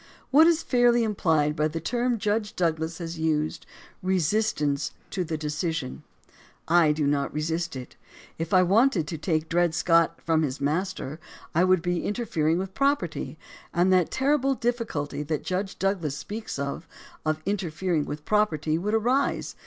What is fairly implied by the term Judge Douglas has used: "Resistance to the decision" ? I do not re sist it. If I wanted to take Dred Scott from his master, I would be interfering with property, and that terrible difficulty that Judge Douglas speaks of, of interfering with property, would arise.